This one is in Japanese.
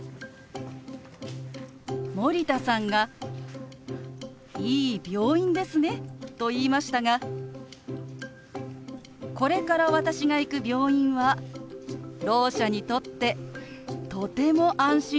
森田さんが「いい病院ですね」と言いましたがこれから私が行く病院はろう者にとってとても安心できる病院なんです。